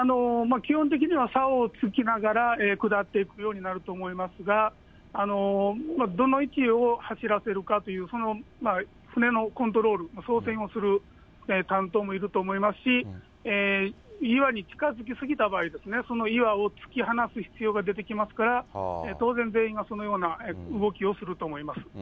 基本的にはさおをつきながら、下っていくようになると思いますが、どの位置を走らせるかという、その舟のコントロール、操船をする担当もいると思いますし、岩に近づき過ぎた場合ですね、その岩を突き放す必要が出てきますから、当然、全員がそのような動きをすると思います。